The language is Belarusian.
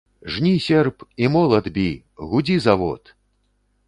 Жні, серп, і, молат, бі, гудзі, завод!